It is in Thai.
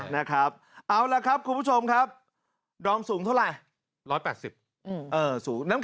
น้ำหนักอะไม่ต้องถาม